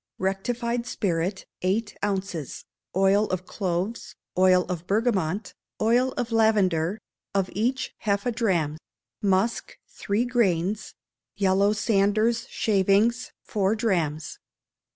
Rectified spirit, eight ounces; oil of cloves, oil of bergamot, oil of lavender, of each half a drachm; musk, three grains; yellow sanders shavings, four drachms.